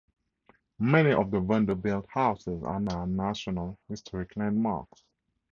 Many of the Vanderbilt houses are now National Historic Landmarks.